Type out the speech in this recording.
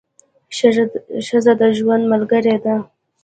ښځه د ژوند ملګرې ده.